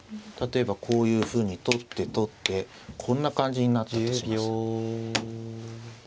例えばこういうふうに取って取ってこんな感じになったとします。